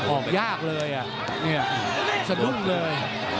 ออกยากเลยอ่ะสะดุ้งเลย